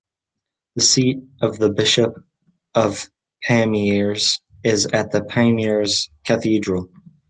The seat of the Bishop of Pamiers is at the Pamiers Cathedral.